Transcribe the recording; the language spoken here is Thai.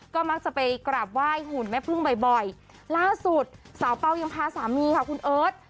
ก็มักจะไปกราบไหว้หุ่นแม่พึ่งบ่อยล่าสุดสาวเป้ายังพาสามีค่ะคุณเอิร์ท